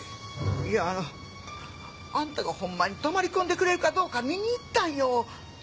いやあのあんたがほんまに泊まり込んでくれるかどうか見に行ったんよ。